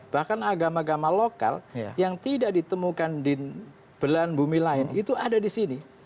bahkan agama agama lokal yang tidak ditemukan di belahan bumi lain itu ada di sini